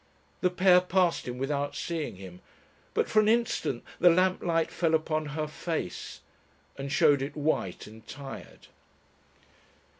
The pair passed him without seeing him, but for an instant the lamplight fell upon her face and showed it white and tired.